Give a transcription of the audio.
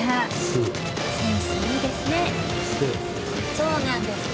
そうなんですか？